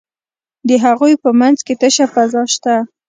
د هغوی په منځ کې تشه فضا شته ده.